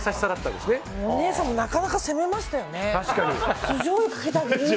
お姉さんもなかなか攻めましたよね。